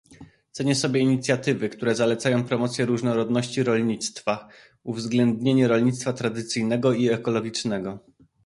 Cenię sobie inicjatywy, które zalecają promocję różnorodności rolnictwa, uwzględnienie rolnictwa tradycyjnego i ekologicznego